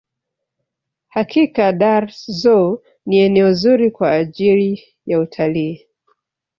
hakika dar zoo ni eneo zuri kwa ajiri ya utalii